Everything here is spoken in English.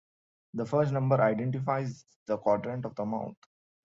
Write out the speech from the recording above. The first number identifies the quadrant of the mouth.